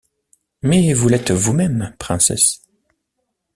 Mais vous l’êtes vous-même, princesse.